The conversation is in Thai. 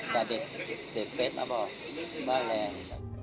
แต่เด็กเฟสมาบอกว่าแรง